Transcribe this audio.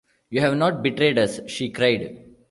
“You have not betrayed us?” she cried.